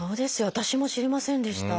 私も知りませんでした。